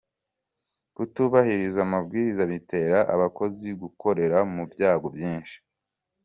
Kutubahiriza amabwiriza bitera abakozi gukorera mu byago byinshi.